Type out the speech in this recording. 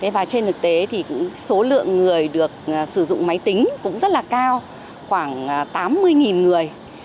và trên thực tế thì số lượng người được sử dụng máy tính cũng rất là cao khoảng tám mươi người